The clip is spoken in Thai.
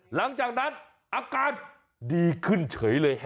หลังจากนั้นอาการดีขึ้นเฉยเลย